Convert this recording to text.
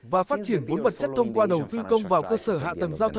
và phát triển bốn vật chất thông qua đầu tư công